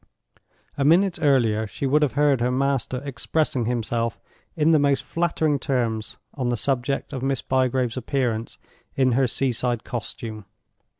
A minute earlier she would have heard her master expressing himself in the most flattering terms on the subject of Miss Bygrave's appearance in her sea side costume.